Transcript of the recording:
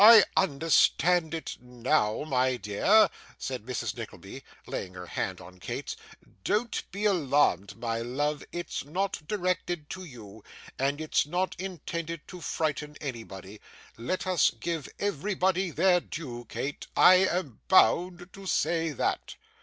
'I understand it now, my dear,' said Mrs. Nickleby, laying her hand on Kate's; 'don't be alarmed, my love, it's not directed to you, and is not intended to frighten anybody. Let us give everybody their due, Kate; I am bound to say that.